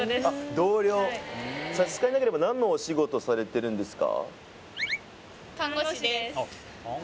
同僚差し支えなければ何のお仕事されてるんですか？